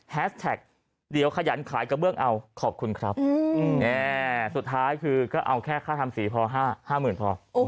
แท็กเดี๋ยวขยันขายกระเบื้องเอาขอบคุณครับสุดท้ายคือก็เอาแค่ค่าทำสีพอ๕๐๐๐พอ